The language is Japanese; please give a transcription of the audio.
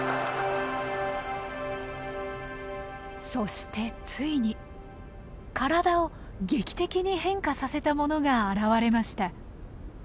そしてついに体を劇的に変化させたものが現れました。